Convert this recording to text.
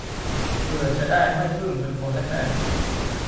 เผื่อจะได้ไม่บึ้มเป็นคนแรกแรก